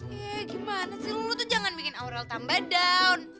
iya gimana sih lulu tuh jangan bikin aurel tambah down